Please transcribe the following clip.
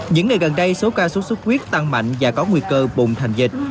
những ngày gần đây số ca sốt sốt quyết tăng mạnh và có nguy cơ bùng thành dịch